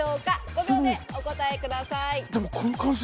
５秒でお答えください。